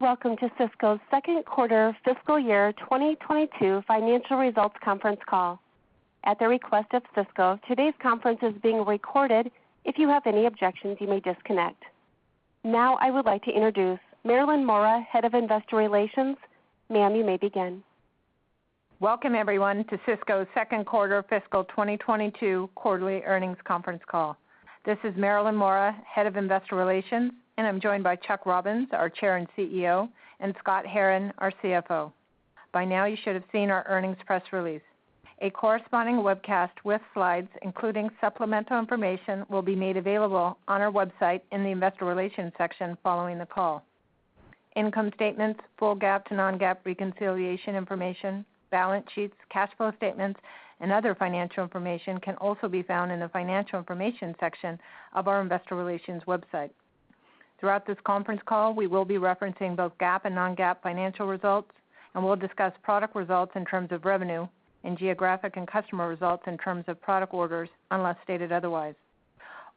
Welcome to Cisco's Q2 fiscal year 2022 financial results conference call. At the request of Cisco, today's conference is being recorded. If you have any objections, you may disconnect. Now I would like to introduce Marilyn Mora, Head of Investor Relations. Ma'am, you may begin. Welcome, everyone, to Cisco's Q2 fiscal 2022 quarterly earnings conference call. This is Marilyn Mora, Head of Investor Relations, and I'm joined by Chuck Robbins, our Chair and CEO, and Scott Herren, our CFO. By now, you should have seen our earnings press release. A corresponding webcast with slides, including supplemental information, will be made available on our website in the Investor Relations section following the call. Income statements, full GAAP to non-GAAP reconciliation information, balance sheets, cash flow statements, and other financial information can also be found in the Financial Information section of our Investor Relations website. Throughout this conference call, we will be referencing both GAAP and non-GAAP financial results, and we'll discuss product results in terms of revenue and geographic and customer results in terms of product orders, unless stated otherwise.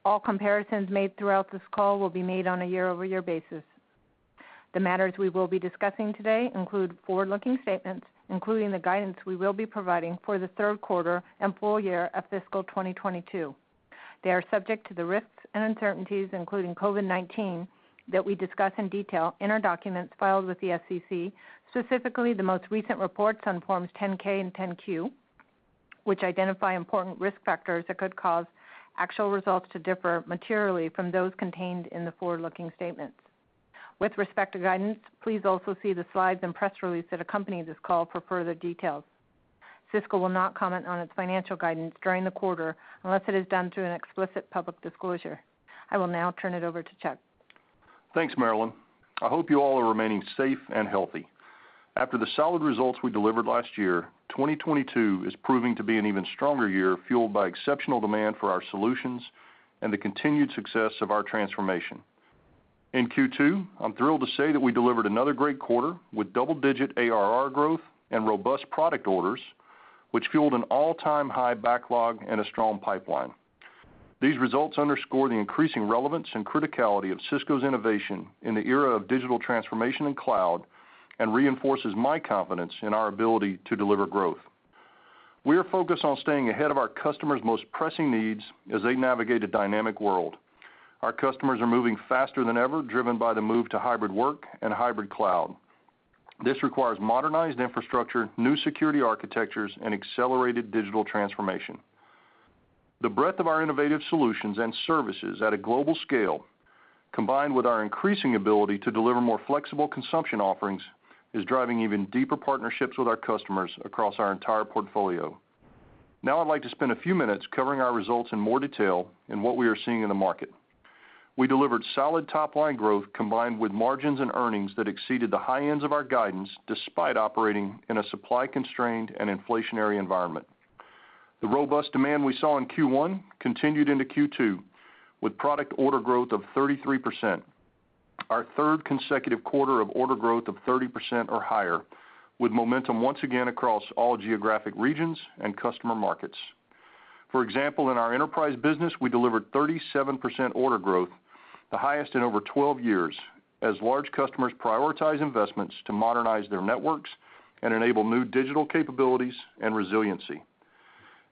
All comparisons made throughout this call will be made on a year-over-year basis. The matters we will be discussing today include forward-looking statements, including the guidance we will be providing for the Q3 and full year of fiscal 2022. They are subject to the risks and uncertainties, including COVID-19, that we discuss in detail in our documents filed with the SEC, specifically the most recent reports on Forms 10-K and 10-Q, which identify important risk factors that could cause actual results to differ materially from those contained in the forward-looking statements. With respect to guidance, please also see the slides and press release that accompany this call for further details. Cisco will not comment on its financial guidance during the quarter unless it is done through an explicit public disclosure. I will now turn it over to Chuck. Thanks, Marilyn. I hope you all are remaining safe and healthy. After the solid results we delivered last year, 2022 is proving to be an even stronger year, fueled by exceptional demand for our solutions and the continued success of our transformation. In Q2, I'm thrilled to say that we delivered another great quarter with double-digit ARR growth and robust product orders, which fueled an all-time high backlog and a strong pipeline. These results underscore the increasing relevance and criticality of Cisco's innovation in the era of digital transformation and cloud, and reinforces my confidence in our ability to deliver growth. We are focused on staying ahead of our customers' most pressing needs as they navigate a dynamic world. Our customers are moving faster than ever, driven by the move to hybrid work and hybrid cloud. This requires modernized infrastructure, new security architectures, and accelerated digital transformation. The breadth of our innovative solutions and services at a global scale, combined with our increasing ability to deliver more flexible consumption offerings, is driving even deeper partnerships with our customers across our entire portfolio. Now I'd like to spend a few minutes covering our results in more detail and what we are seeing in the market. We delivered solid top-line growth combined with margins and earnings that exceeded the high ends of our guidance despite operating in a supply-constrained and inflationary environment. The robust demand we saw in Q1 continued into Q2 with product order growth of 33%, our third consecutive quarter of order growth of 30% or higher, with momentum once again across all geographic regions and customer markets. For example, in our enterprise business, we delivered 37% order growth, the highest in over 12 years, as large customers prioritize investments to modernize their networks and enable new digital capabilities and resiliency.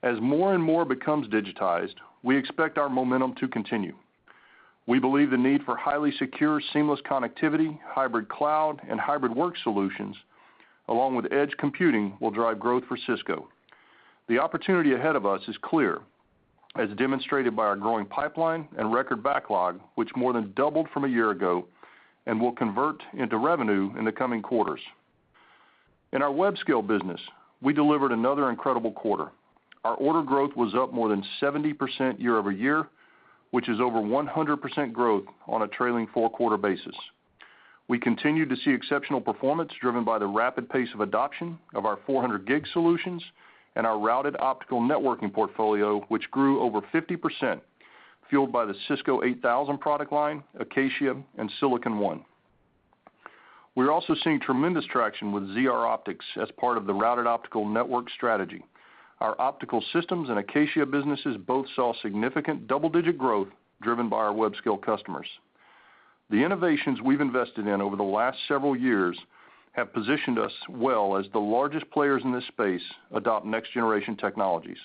As more and more becomes digitized, we expect our momentum to continue. We believe the need for highly secure, seamless connectivity, hybrid cloud, and Hybrid Work solutions, along with edge computing, will drive growth for Cisco. The opportunity ahead of us is clear, as demonstrated by our growing pipeline and record backlog, which more than doubled from a year ago and will convert into revenue in the coming quarters. In our web scale business, we delivered another incredible quarter. Our order growth was up more than 70% year-over-year, which is over 100% growth on a trailing four-quarter basis. We continued to see exceptional performance driven by the rapid pace of adoption of our 400G solutions and our Routed Optical Networking portfolio, which grew over 50%, fueled by the Cisco 8000 product line, Acacia, and Silicon One. We're also seeing tremendous traction with ZR optics as part of the Routed Optical Networking strategy. Our optical systems and Acacia businesses both saw significant double-digit growth driven by our web scale customers. The innovations we've invested in over the last several years have positioned us well as the largest players in this space adopt next generation technologies.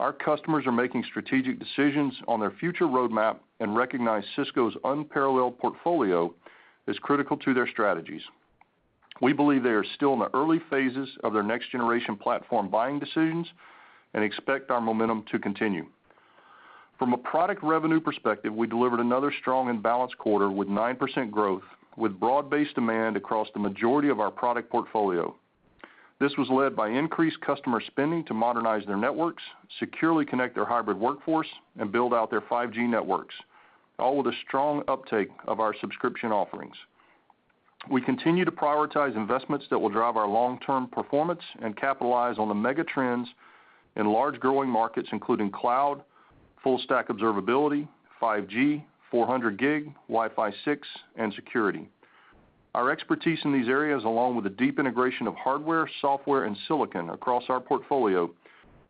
Our customers are making strategic decisions on their future roadmap and recognize Cisco's unparalleled portfolio is critical to their strategies. We believe they are still in the early phases of their next generation platform buying decisions and expect our momentum to continue. From a product revenue perspective, we delivered another strong and balanced quarter with 9% growth, with broad-based demand across the majority of our product portfolio. This was led by increased customer spending to modernize their networks, securely connect their hybrid workforce, and build out their 5G networks, all with a strong uptake of our subscription offerings. We continue to prioritize investments that will drive our long-term performance and capitalize on the mega trends in large growing markets, including cloud, full-stack observability, 5G, 400G, Wi-Fi 6, and security. Our expertise in these areas, along with the deep integration of hardware, software, and silicon across our portfolio,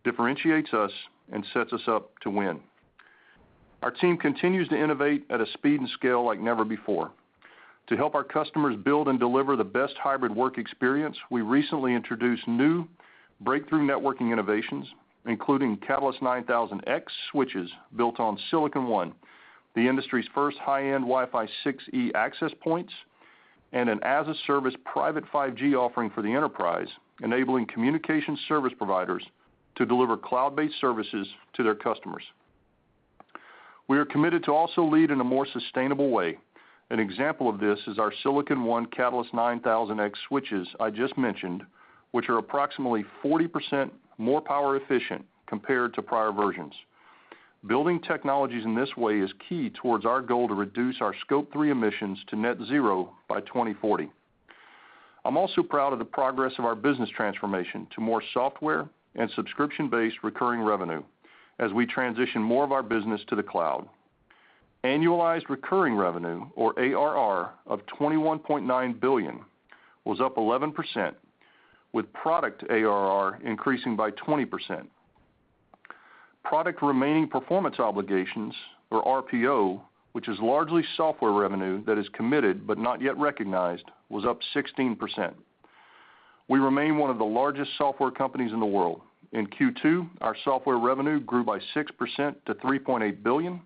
differentiates us and sets us up to win. Our team continues to innovate at a speed and scale like never before. To help our customers build and deliver the best hybrid work experience, we recently introduced new breakthrough networking innovations, including Catalyst 9000X switches built on Silicon One, the industry's first high-end Wi-Fi 6E access points, and an as-a-service private 5G offering for the enterprise, enabling communication service providers to deliver cloud-based services to their customers. We are committed to also lead in a more sustainable way. An example of this is our Silicon One Catalyst 9000X switches I just mentioned, which are approximately 40% more power efficient compared to prior versions. Building technologies in this way is key towards our goal to reduce our Scope 3 emissions to net zero by 2040. I'm also proud of the progress of our business transformation to more software and subscription-based recurring revenue as we transition more of our business to the cloud. Annualized recurring revenue, or ARR, of $21.9 billion was up 11%, with product ARR increasing by 20%. Product remaining performance obligations, or RPO, which is largely software revenue that is committed but not yet recognized, was up 16%. We remain one of the largest software companies in the world. In Q2, our software revenue grew by 6% to $3.8 billion.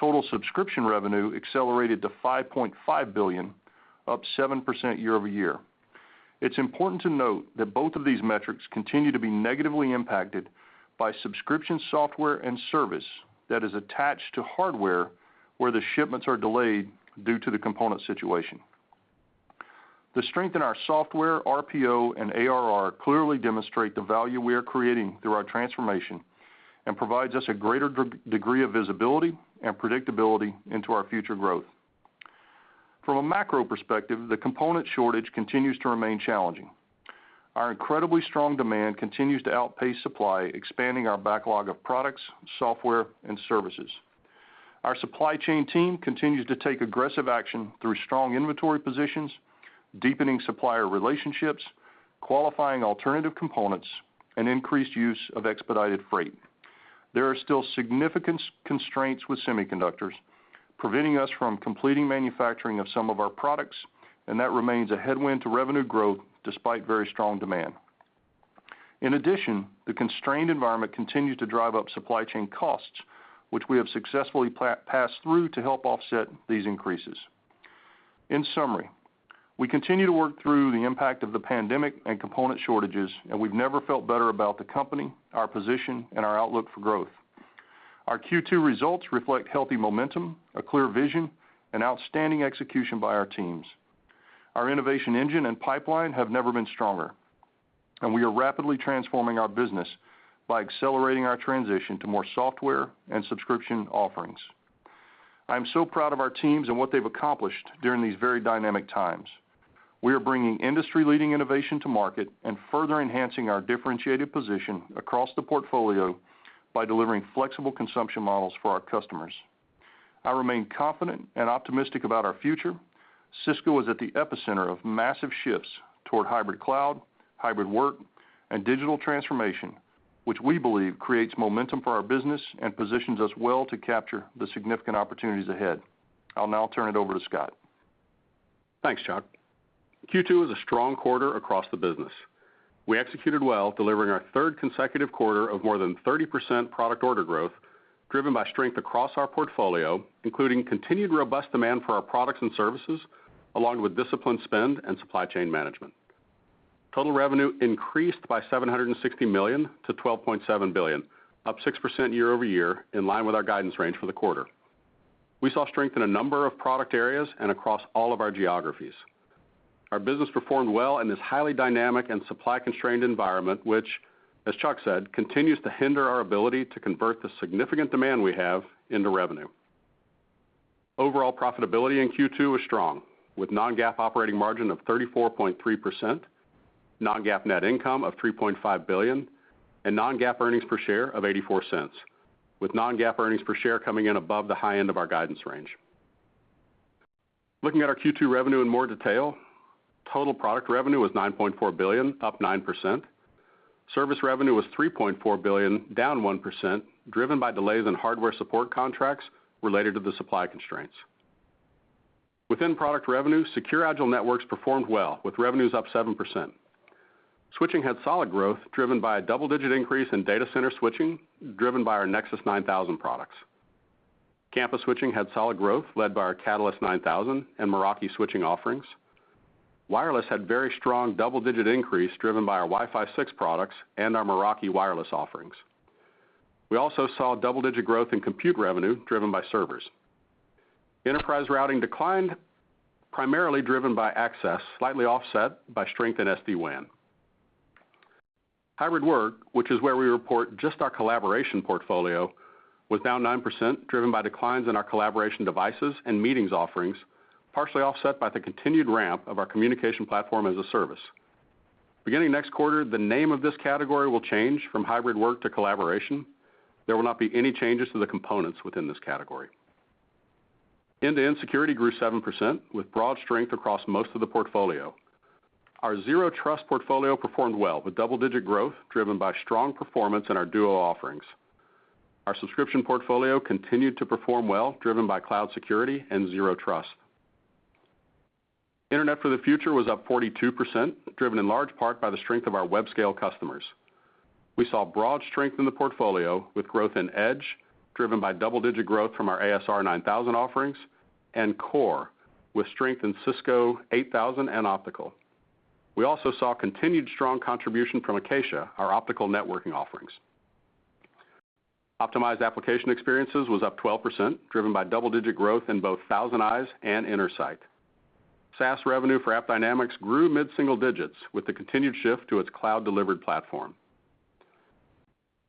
Total subscription revenue accelerated to $5.5 billion, up 7% year-over-year. It's important to note that both of these metrics continue to be negatively impacted by subscription software and service that is attached to hardware where the shipments are delayed due to the component situation. The strength in our software, RPO, and ARR clearly demonstrate the value we are creating through our transformation and provides us a greater degree of visibility and predictability into our future growth. From a macro perspective, the component shortage continues to remain challenging. Our incredibly strong demand continues to outpace supply, expanding our backlog of products, software, and services. Our supply chain team continues to take aggressive action through strong inventory positions, deepening supplier relationships, qualifying alternative components, and increased use of expedited freight. There are still significant constraints with semiconductors, preventing us from completing manufacturing of some of our products, and that remains a headwind to revenue growth despite very strong demand. In addition, the constrained environment continued to drive up supply chain costs, which we have successfully passed through to help offset these increases. In summary, we continue to work through the impact of the pandemic and component shortages, and we've never felt better about the company, our position, and our outlook for growth. Our Q2 results reflect healthy momentum, a clear vision, and outstanding execution by our teams. Our innovation engine and pipeline have never been stronger, and we are rapidly transforming our business by accelerating our transition to more software and subscription offerings. I am so proud of our teams and what they've accomplished during these very dynamic times. We are bringing industry-leading innovation to market and further enhancing our differentiated position across the portfolio by delivering flexible consumption models for our customers. I remain confident and optimistic about our future. Cisco is at the epicenter of massive shifts toward hybrid cloud, hybrid work, and digital transformation, which we believe creates momentum for our business and positions us well to capture the significant opportunities ahead. I'll now turn it over to Scott. Thanks, Chuck. Q2 was a strong quarter across the business. We executed well, delivering our third consecutive quarter of more than 30% product order growth, driven by strength across our portfolio, including continued robust demand for our products and services, along with disciplined spend and supply chain management. Total revenue increased by $760 million to $12.7 billion, up 6% year-over-year, in line with our guidance range for the quarter. We saw strength in a number of product areas and across all of our geographies. Our business performed well in this highly dynamic and supply-constrained environment, which, as Chuck said, continues to hinder our ability to convert the significant demand we have into revenue. Overall profitability in Q2 was strong, with non-GAAP operating margin of 34.3%, non-GAAP net income of $3.5 billion, and non-GAAP earnings per share of $0.84, with non-GAAP earnings per share coming in above the high end of our guidance range. Looking at our Q2 revenue in more detail, total product revenue was $9.4 billion, up 9%. Service revenue was $3.4 billion, down 1%, driven by delays in hardware support contracts related to the supply constraints. Within product revenue, Secure, Agile Networks performed well, with revenues up 7%. Switching had solid growth, driven by a double-digit increase in data center switching, driven by our Nexus 9000 products. Campus switching had solid growth, led by our Catalyst 9000 and Meraki switching offerings. Wireless had very strong double-digit increase, driven by our Wi-Fi 6 products and our Meraki wireless offerings. We also saw double-digit growth in compute revenue, driven by servers. Enterprise routing declined, primarily driven by access, slightly offset by strength in SD-WAN. Hybrid Work, which is where we report just our collaboration portfolio, was down 9%, driven by declines in our collaboration devices and meetings offerings, partially offset by the continued ramp of our Communication Platform as a Service. Beginning next quarter, the name of this category will change from Hybrid Work to collaboration. There will not be any changes to the components within this category. End-to-End Security grew 7% with broad strength across most of the portfolio. Our Zero Trust portfolio performed well with double-digit growth, driven by strong performance in our Duo offerings. Our subscription portfolio continued to perform well, driven by cloud security and Zero Trust. Internet for the Future was up 42%, driven in large part by the strength of our web scale customers. We saw broad strength in the portfolio with growth in Edge, driven by double-digit growth from our ASR 9000 offerings and Core with strength in Cisco 8000 and Optical. We also saw continued strong contribution from Acacia, our optical networking offerings. Optimized Application Experiences was up 12%, driven by double-digit growth in both ThousandEyes and Intersight. SaaS revenue for AppDynamics grew mid-single digits with the continued shift to its cloud delivered platform.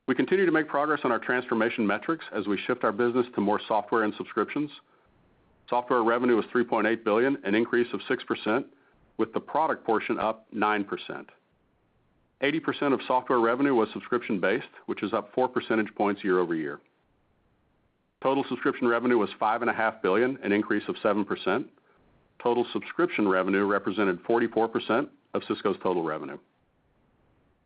We continue to make progress on our transformation metrics as we shift our business to more software and subscriptions. Software revenue was $3.8 billion, an increase of 6%, with the product portion up 9%. 80% of software revenue was subscription-based, which is up four percentage points year-over-year. Total subscription revenue was $5.5 billion, an increase of 7%. Total subscription revenue represented 44% of Cisco's total revenue.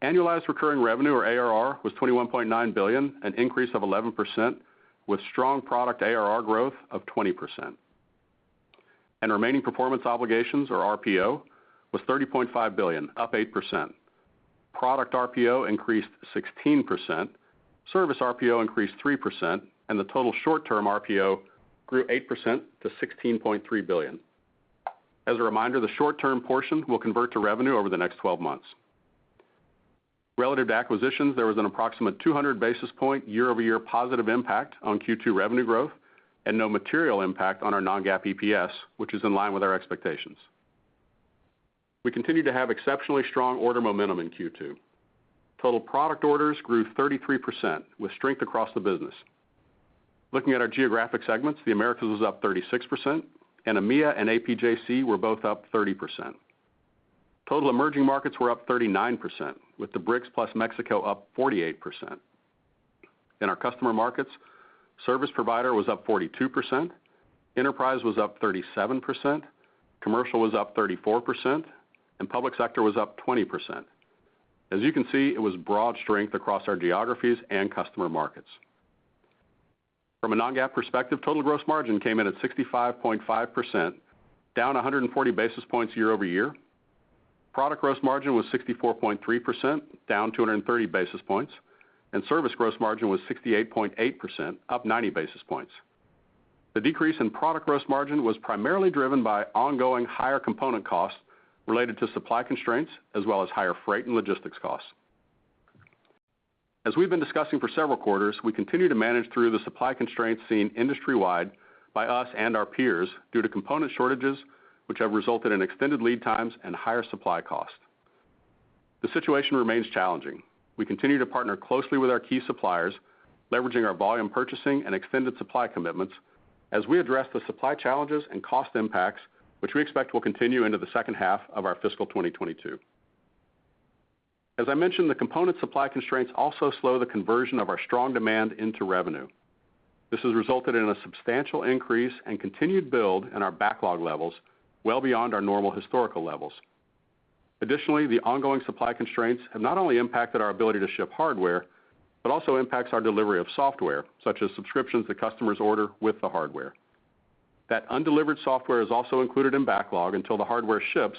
Annualized recurring revenue or ARR was $21.9 billion, an increase of 11% with strong product ARR growth of 20%. Remaining performance obligations or RPO was $30.5 billion, up 8%. Product RPO increased 16%, service RPO increased 3%, and the total short-term RPO grew 8% to $16.3 billion. As a reminder, the short-term portion will convert to revenue over the next 12 months. Relative to acquisitions, there was an approximate 200 basis points year-over-year positive impact on Q2 revenue growth and no material impact on our non-GAAP EPS, which is in line with our expectations. We continue to have exceptionally strong order momentum in Q2. Total product orders grew 33% with strength across the business. Looking at our geographic segments, the Americas was up 36% and EMEA and APJC were both up 30%. Total emerging markets were up 39%, with the BRICS plus Mexico up 48%. In our customer markets, service provider was up 42%, enterprise was up 37%, commercial was up 34%, and public sector was up 20%. As you can see, it was broad strength across our geographies and customer markets. From a non-GAAP perspective, total gross margin came in at 65.5%, down 140 basis points year-over-year. Product gross margin was 64.3%, down 230 basis points, and service gross margin was 68.8%, up 90 basis points. The decrease in product gross margin was primarily driven by ongoing higher component costs related to supply constraints, as well as higher freight and logistics costs. As we've been discussing for several quarters, we continue to manage through the supply constraints seen industry-wide by us and our peers due to component shortages which have resulted in extended lead times and higher supply costs. The situation remains challenging. We continue to partner closely with our key suppliers, leveraging our volume purchasing and extended supply commitments as we address the supply challenges and cost impacts, which we expect will continue into the second half of our fiscal 2022. As I mentioned, the component supply constraints also slow the conversion of our strong demand into revenue. This has resulted in a substantial increase and continued build in our backlog levels well beyond our normal historical levels. Additionally, the ongoing supply constraints have not only impacted our ability to ship hardware, but also impacts our delivery of software, such as subscriptions that customers order with the hardware. That undelivered software is also included in backlog until the hardware ships,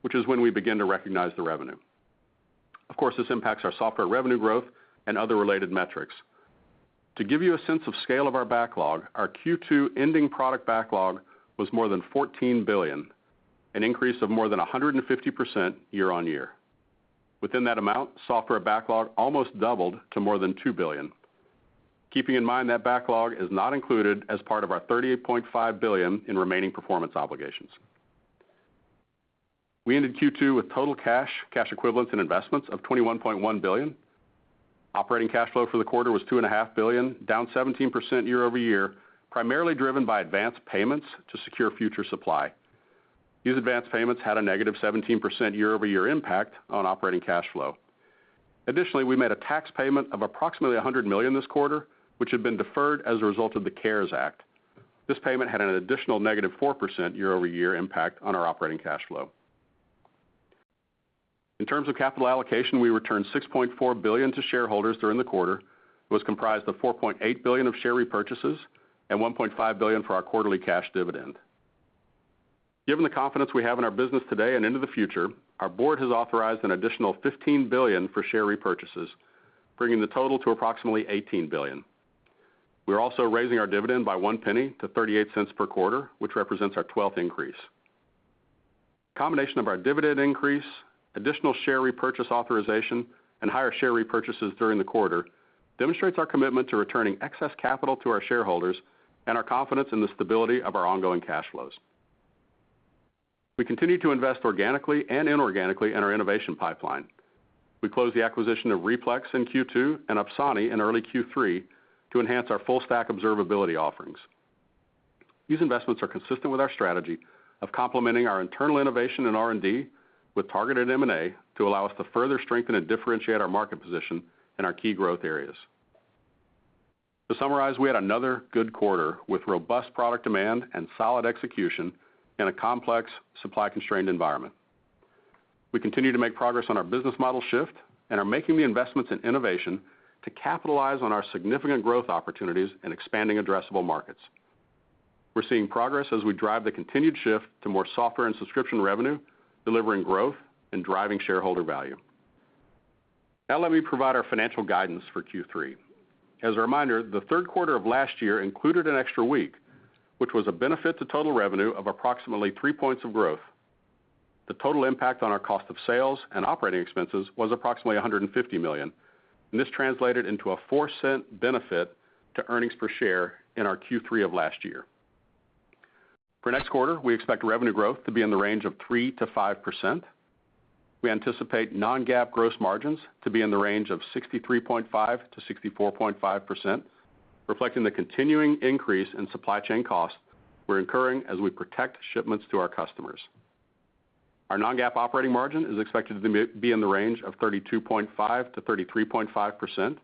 which is when we begin to recognize the revenue. Of course, this impacts our software revenue growth and other related metrics. To give you a sense of scale of our backlog, our Q2 ending product backlog was more than $14 billion, an increase of more than 150% year-on-year. Within that amount, software backlog almost doubled to more than $2 billion. Keeping in mind that backlog is not included as part of our $38.5 billion in remaining performance obligations. We ended Q2 with total cash equivalents, and investments of $21.1 billion. Operating cash flow for the quarter was $2.5 billion, down 17% year-over-year, primarily driven by advanced payments to secure future supply. These advanced payments had a negative 17% year-over-year impact on operating cash flow. Additionally, we made a tax payment of approximately $100 million this quarter, which had been deferred as a result of the CARES Act. This payment had an additional negative 4% year-over-year impact on our operating cash flow. In terms of capital allocation, we returned $6.4 billion to shareholders during the quarter, which was comprised of $4.8 billion of share repurchases and $1.5 billion for our quarterly cash dividend. Given the confidence we have in our business today and into the future, our board has authorized an additional $15 billion for share repurchases, bringing the total to approximately $18 billion. We are also raising our dividend by 1 penny to 38 cents per quarter, which represents our 12th increase. Combination of our dividend increase, additional share repurchase authorization, and higher share repurchases during the quarter demonstrates our commitment to returning excess capital to our shareholders and our confidence in the stability of our ongoing cash flows. We continue to invest organically and inorganically in our innovation pipeline. We closed the acquisition of Replex in Q2 and Opsani in early Q3 to enhance our full-stack observability offerings. These investments are consistent with our strategy of complementing our internal innovation in R&D with targeted M&A to allow us to further strengthen and differentiate our market position in our key growth areas. To summarize, we had another good quarter with robust product demand and solid execution in a complex supply-constrained environment. We continue to make progress on our business model shift and are making the investments in innovation to capitalize on our significant growth opportunities in expanding addressable markets. We're seeing progress as we drive the continued shift to more software and subscription revenue, delivering growth and driving shareholder value. Now let me provide our financial guidance for Q3. As a reminder, the Q3 of last year included an extra week, which was a benefit to total revenue of approximately 3 points of growth. The total impact on our cost of sales and operating expenses was approximately $150 million, and this translated into a $0.04 benefit to earnings per share in our Q3 of last year. For next quarter, we expect revenue growth to be in the range of 3%-5%. We anticipate non-GAAP gross margins to be in the range of 63.5%-64.5%, reflecting the continuing increase in supply chain costs we're incurring as we protect shipments to our customers. Our non-GAAP operating margin is expected to be in the range of 32.5%-33.5%.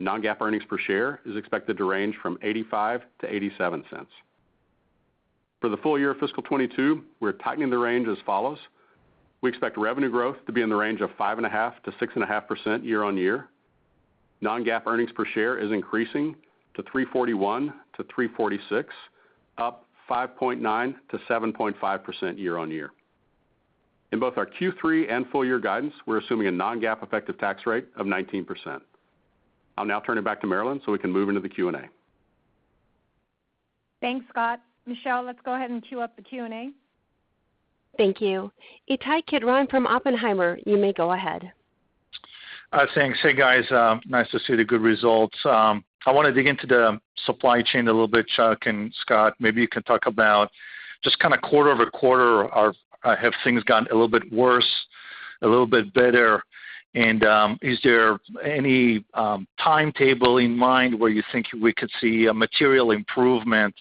Non-GAAP earnings per share is expected to range from $0.85-$0.87. For the full year fiscal 2022, we're tightening the range as follows. We expect revenue growth to be in the range of 5.5%-6.5% year-over-year. Non-GAAP earnings per share is increasing to $3.41-$3.46, up 5.9%-7.5% year-over-year. In both our Q3 and full year guidance, we're assuming a non-GAAP effective tax rate of 19%. I'll now turn it back to Marilyn, so we can move into the Q&A. Thanks, Scott. Michelle, let's go ahead and queue up the Q&A. Thank you. Ittai Kidron from Oppenheimer, you may go ahead. Thanks. Guys, nice to see the good results. I wanna dig into the supply chain a little bit. Chuck and Scott, maybe you can talk about just kinda quarter-over-quarter, have things gotten a little bit worse, a little bit better? Is there any timetable in mind where you think we could see a material improvement?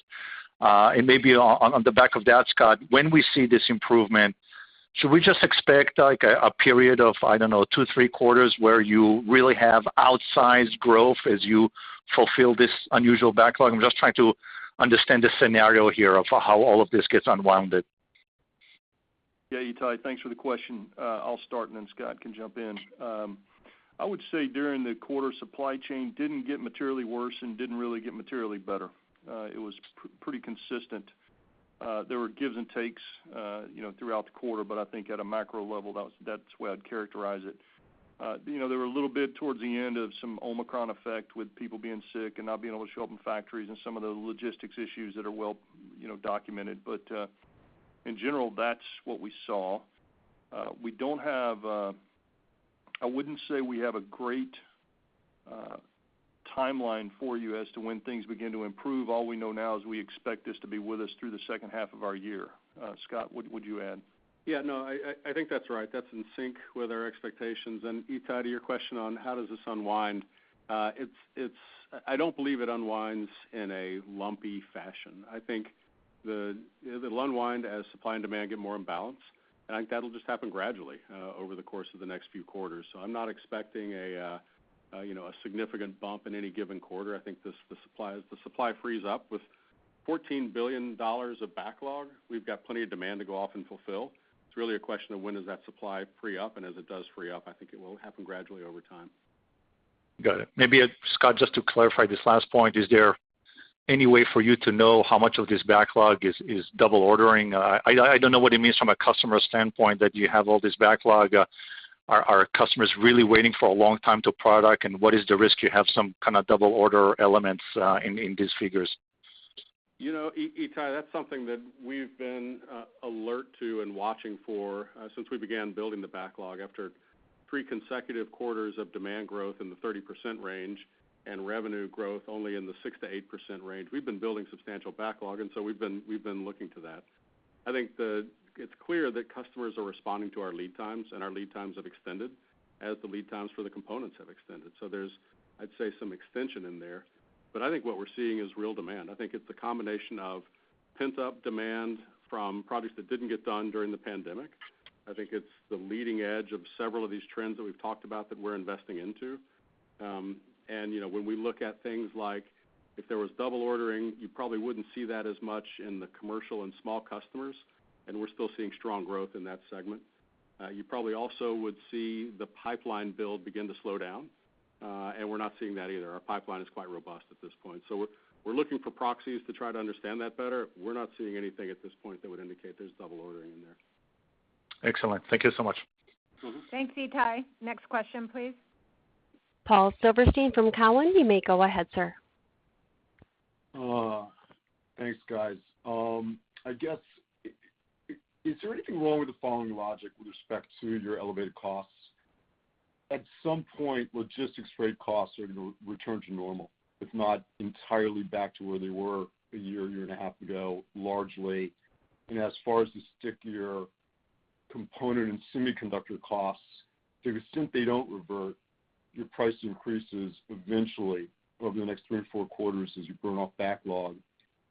Maybe on the back of that, Scott, when we see this improvement, should we just expect like a period of, I don't know, 2, 3 quarters where you really have outsized growth as you fulfill this unusual backlog? I'm just trying to understand the scenario here of how all of this gets unwound. Yeah, Ittai thanks for the question. I'll start and then Scott can jump in. I would say during the quarter, supply chain didn't get materially worse and didn't really get materially better. It was pretty consistent. There were gives and takes, you know, throughout the quarter, but I think at a macro level, that's the way I'd characterize it. You know, there were a little bit towards the end of some Omicron effect with people being sick and not being able to show up in factories and some of the logistics issues that are well, you know, documented. In general, that's what we saw. We don't have. I wouldn't say we have a great timeline for you as to when things begin to improve. All we know now is we expect this to be with us through the second half of our year. Scott, what would you add? Yeah, no, I think that's right. That's in sync with our expectations. Ittai, to your question on how does this unwind, it's I don't believe it unwinds in a lumpy fashion. I think it'll unwind as supply and demand get more in balance, and I think that'll just happen gradually over the course of the next few quarters. I'm not expecting, you know, a significant bump in any given quarter. I think the supply frees up. With $14 billion of backlog, we've got plenty of demand to go off and fulfill. It's really a question of when does that supply free up, and as it does free up, I think it will happen gradually over time. Got it. Maybe, Scott, just to clarify this last point, is there any way for you to know how much of this backlog is double ordering? I don't know what it means from a customer standpoint that you have all this backlog. Are customers really waiting for a long time for product? What is the risk you have some kinda double order elements in these figures? You know, Ittai, that's something that we've been alert to and watching for since we began building the backlog. After three consecutive quarters of demand growth in the 30% range and revenue growth only in the 6%-8% range, we've been building substantial backlog, and we've been looking to that. I think it's clear that customers are responding to our lead times, and our lead times have extended as the lead times for the components have extended. There's, I'd say, some extension in there. I think what we're seeing is real demand. I think it's a combination of pent-up demand from projects that didn't get done during the pandemic. I think it's the leading edge of several of these trends that we've talked about that we're investing into. You know, when we look at things like if there was double ordering, you probably wouldn't see that as much in the commercial and small customers, and we're still seeing strong growth in that segment. You probably also would see the pipeline build begin to slow down, and we're not seeing that either. Our pipeline is quite robust at this point. We're looking for proxies to try to understand that better. We're not seeing anything at this point that would indicate there's double ordering in there. Excellent. Thank you so much. Thanks, Ittai. Next question, please. Paul Silverstein from Cowen, you may go ahead, sir. Thanks, guys. I guess, is there anything wrong with the following logic with respect to your elevated costs? At some point, logistics freight costs are gonna return to normal, if not entirely back to where they were a year and a half ago, largely. As far as the stickier component and semiconductor costs, to the extent they don't revert, your price increases eventually over the next 3 or 4 quarters as you burn off backlog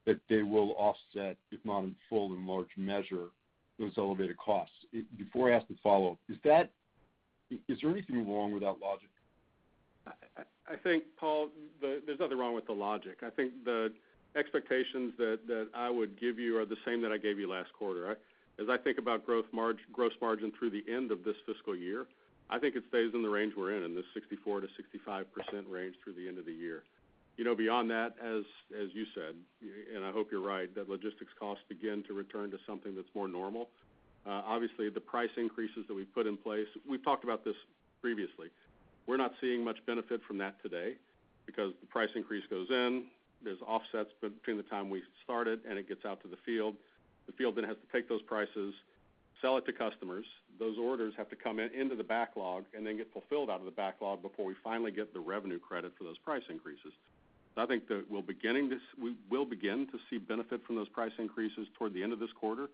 That they will offset, if not in full, in large measure, those elevated costs. Before I ask the follow-up, is there anything wrong with that logic? I think, Paul, there's nothing wrong with the logic. I think the expectations that I would give you are the same that I gave you last quarter, right? As I think about gross margin through the end of this fiscal year, I think it stays in the range we're in this 64%-65% range through the end of the year. You know, beyond that, as you said, and I hope you're right, that logistics costs begin to return to something that's more normal. Obviously, the price increases that we've put in place, we've talked about this previously. We're not seeing much benefit from that today because the price increase goes in, there's offsets between the time we start it and it gets out to the field. The field then has to take those prices, sell it to customers. Those orders have to come into the backlog and then get fulfilled out of the backlog before we finally get the revenue credit for those price increases. I think that we will begin to see benefit from those price increases toward the end of this quarter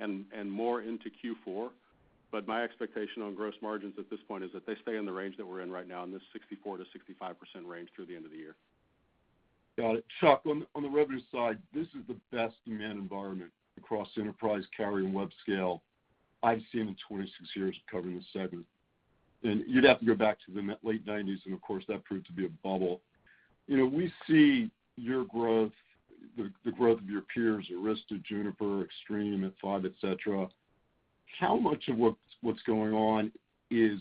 and more into Q4. My expectation on gross margins at this point is that they stay in the range that we're in right now, in this 64%-65% range through the end of the year. Got it. Chuck, on the revenue side, this is the best demand environment across enterprise, carrier and web scale I've seen in 26 years covering the segment. You'd have to go back to the mid- to late nineties, and of course, that proved to be a bubble. You know, we see your growth, the growth of your peers, Arista, Juniper, Extreme, F5, etc. How much of what's going on is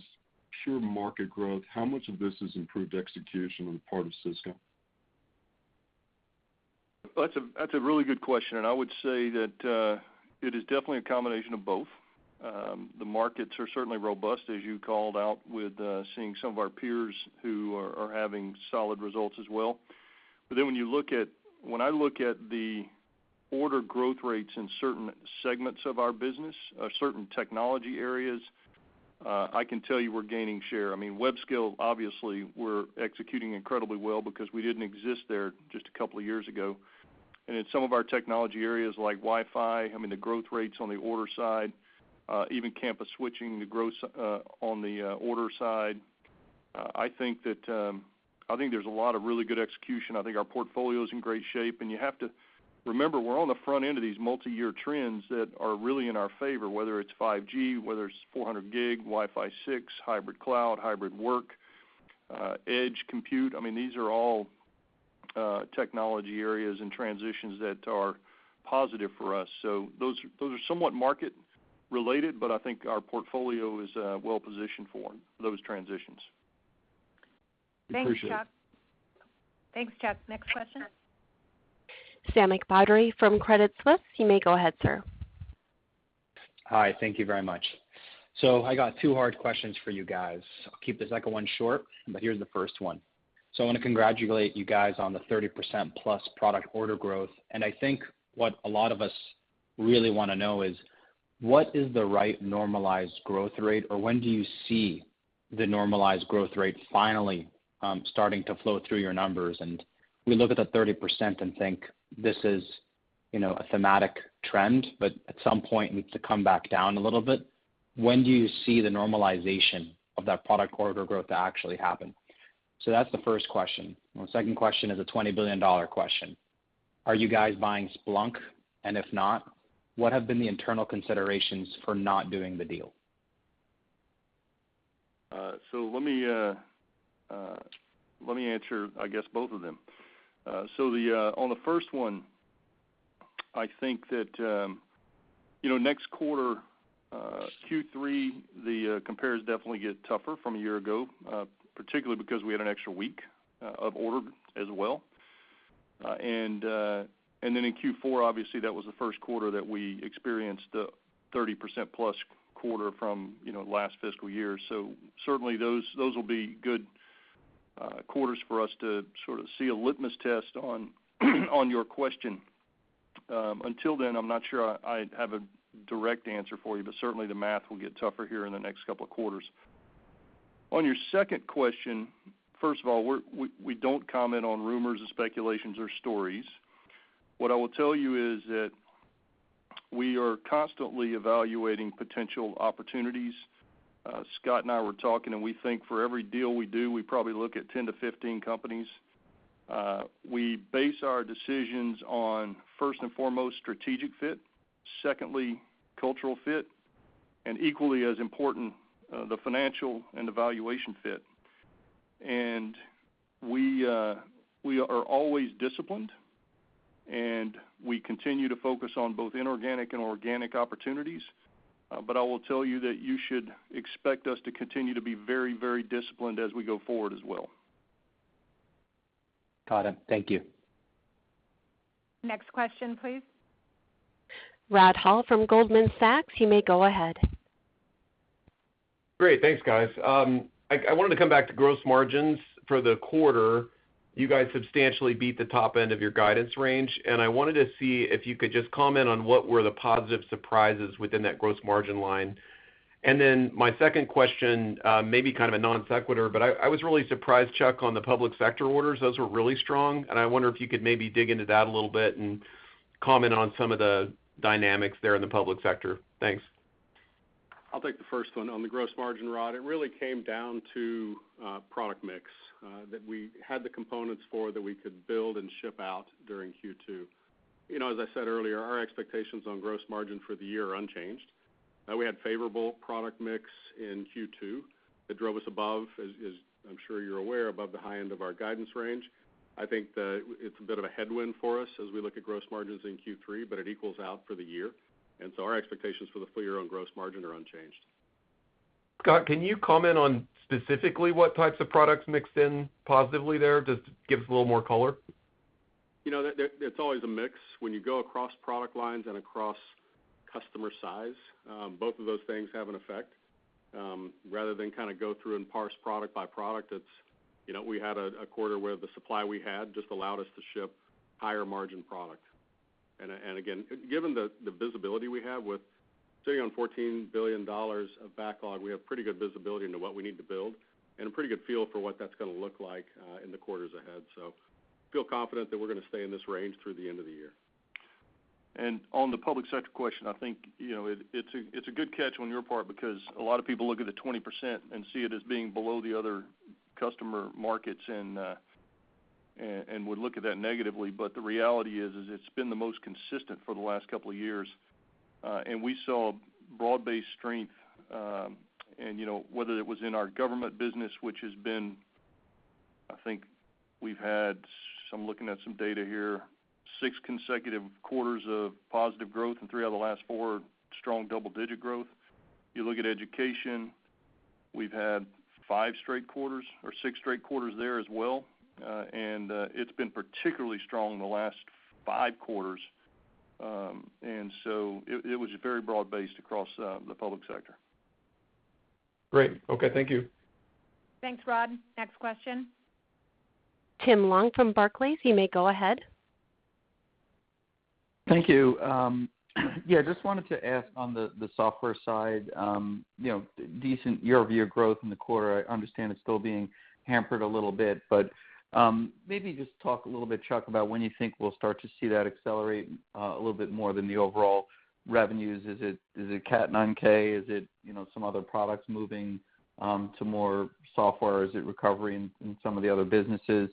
pure market growth? How much of this is improved execution on the part of Cisco? That's a really good question, and I would say that it is definitely a combination of both. The markets are certainly robust, as you called out, with seeing some of our peers who are having solid results as well. But then when I look at the order growth rates in certain segments of our business, certain technology areas, I can tell you we're gaining share. I mean, web scale, obviously we're executing incredibly well because we didn't exist there just a couple of years ago. In some of our technology areas like Wi-Fi, I mean, the growth rates on the order side, even campus switching the growth on the order side, I think there's a lot of really good execution. I think our portfolio is in great shape. You have to remember, we're on the front end of these multiyear trends that are really in our favor, whether it's 5G, whether it's 400G, Wi-Fi 6, hybrid cloud, hybrid work, edge compute. I mean, these are all, technology areas and transitions that are positive for us. Those are somewhat market related, but I think our portfolio is, well positioned for those transitions. Appreciate it. Thanks, Chuck. Next question. Sami Badri from Credit Suisse. You may go ahead, sir. Hi, thank you very much. I got two hard questions for you guys. I'll keep the second one short, but here's the first one. I wanna congratulate you guys on the 30% plus product order growth. I think what a lot of us really wanna know is, what is the right normalized growth rate? Or when do you see the normalized growth rate finally starting to flow through your numbers? We look at the 30% and think this is, you know, a thematic trend, but at some point needs to come back down a little bit. When do you see the normalization of that product order growth to actually happen? That's the first question. My second question is a $20 billion question. Are you guys buying Splunk? If not, what have been the internal considerations for not doing the deal? Let me answer, I guess, both of them. On the first one, I think that you know, next quarter, Q3, the compares definitely get tougher from a year ago, particularly because we had an extra week of order as well. Then in Q4, obviously, that was the Q1 that we experienced the 30% plus quarter from, you know, last fiscal year. Certainly, those will be good quarters for us to sort of see a litmus test on your question. Until then, I'm not sure I have a direct answer for you, but certainly the math will get tougher here in the next couple of quarters. On your second question, first of all, we don't comment on rumors or speculations or stories. What I will tell you is that we are constantly evaluating potential opportunities. Scott and I were talking, and we think for every deal we do, we probably look at 10-15 companies. We base our decisions on, first and foremost, strategic fit, secondly, cultural fit, and equally as important, the financial and the valuation fit. We are always disciplined, and we continue to focus on both inorganic and organic opportunities. I will tell you that you should expect us to continue to be very, very disciplined as we go forward as well. Got it. Thank you. Next question, please. Rod Hall from Goldman Sachs, you may go ahead. Great. Thanks, guys. I wanted to come back to gross margins for the quarter. You guys substantially beat the top end of your guidance range, and I wanted to see if you could just comment on what were the positive surprises within that gross margin line. Then my second question may be kind of a non sequitur, but I was really surprised, Chuck, on the public sector orders. Those were really strong, and I wonder if you could maybe dig into that a little bit and comment on some of the dynamics there in the public sector. Thanks. I'll take the first one. On the gross margin, Rod, it really came down to product mix that we had the components for that we could build and ship out during Q2. You know, as I said earlier, our expectations on gross margin for the year are unchanged. We had favorable product mix in Q2 that drove us above, as I'm sure you're aware, above the high end of our guidance range. I think that it's a bit of a headwind for us as we look at gross margins in Q3, but it equals out for the year. Our expectations for the full year on gross margin are unchanged. Scott, can you comment on specifically what types of products mixed in positively there? Just give us a little more color. You know, it's always a mix. When you go across product lines and across customer size, both of those things have an effect. Rather than kind of go through and parse product by product, it's, you know, we had a quarter where the supply we had just allowed us to ship higher margin product. And again, given the visibility we have with sitting on $14 billion of backlog, we have pretty good visibility into what we need to build and a pretty good feel for what that's gonna look like in the quarters ahead. We feel confident that we're gonna stay in this range through the end of the year. On the public sector question, I think, you know, it's a good catch on your part because a lot of people look at the 20% and see it as being below the other customer markets and would look at that negatively. But the reality is it's been the most consistent for the last couple of years. We saw broad-based strength, you know, whether it was in our government business, which has been. I think we've had, so I'm looking at some data here, six consecutive quarters of positive growth, and three out of the last four are strong double-digit growth. You look at education, we've had five straight quarters or six straight quarters there as well. It's been particularly strong in the last five quarters. It was very broad-based across the public sector. Great. Okay. Thank you. Thanks, Rod. Next question. Tim Long from Barclays, you may go ahead. Thank you. Yeah, just wanted to ask on the software side, you know, decent year-over-year growth in the quarter. I understand it's still being hampered a little bit, but maybe just talk a little bit, Chuck, about when you think we'll start to see that accelerate a little bit more than the overall revenues. Is it Catalyst 9000? Is it, you know, some other products moving to more software? Is it recovery in some of the other businesses?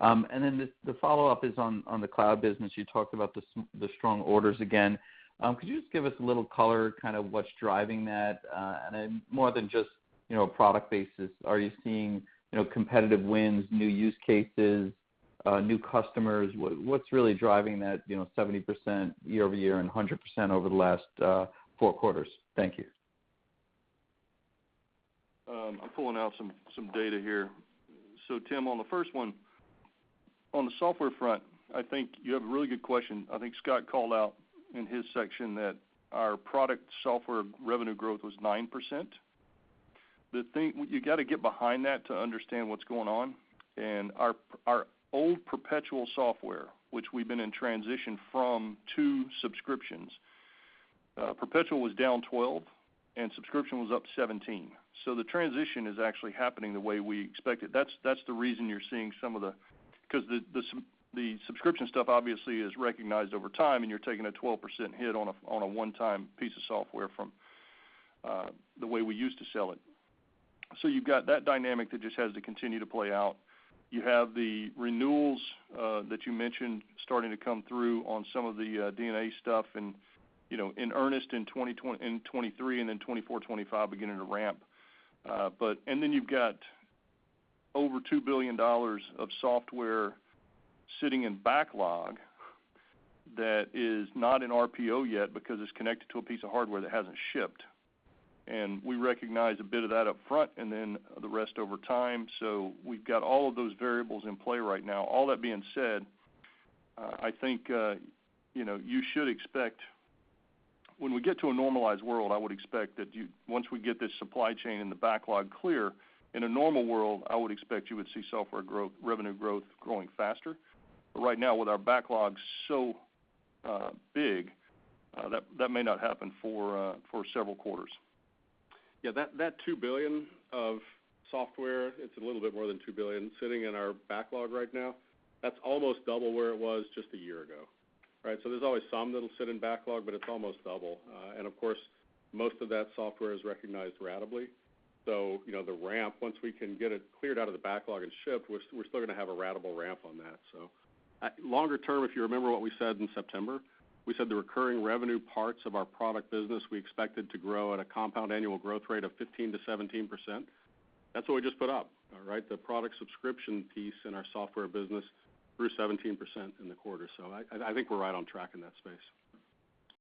The follow-up is on the cloud business, you talked about the strong orders again. Could you just give us a little color, kind of what's driving that, and then more than just, you know, a product basis? Are you seeing, you know, competitive wins, new use cases, new customers? What's really driving that, you know, 70% year-over-year and 100% over the last 4 quarters? Thank you. I'm pulling out some data here. Tim, on the first one, on the software front, I think you have a really good question. I think Scott called out in his section that our product software revenue growth was 9%. You gotta get behind that to understand what's going on. Our old perpetual software, which we've been in transition from to subscriptions, perpetual was down 12% and subscription was up 17%. The transition is actually happening the way we expected. That's the reason. Because the subscription stuff obviously is recognized over time, and you're taking a 12% hit on a one-time piece of software from the way we used to sell it. You've got that dynamic that just has to continue to play out. You have the renewals that you mentioned starting to come through on some of the DNA stuff and, you know, in earnest in 2023 and then 2024, 2025 beginning to ramp. But then you've got over $2 billion of software sitting in backlog that is not in RPO yet because it's connected to a piece of hardware that hasn't shipped. We recognize a bit of that up front and then the rest over time. We've got all of those variables in play right now. All that being said, I think you know, you should expect. When we get to a normalized world, I would expect that once we get this supply chain and the backlog clear, in a normal world, I would expect you would see software growth, revenue growth growing faster. Right now, with our backlogs so big, that may not happen for several quarters. Yeah, that two billion of software, it's a little bit more than $2 billion sitting in our backlog right now. That's almost double where it was just a year ago, right? There's always some that'll sit in backlog, but it's almost double. Of course, most of that software is recognized ratably. You know, the ramp, once we can get it cleared out of the backlog and shipped, we're still gonna have a ratable ramp on that. Longer term, if you remember what we said in September, we said the recurring revenue parts of our product business, we expected to grow at a compound annual growth rate of 15%-17%. That's what we just put up. All right? The product subscription piece in our software business grew 17% in the quarter. I think we're right on track in that space.